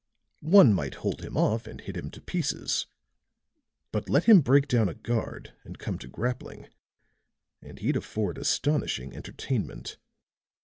"One might hold him off and hit him to pieces; but let him break down a guard and come to grappling and he'd afford astonishing entertainment."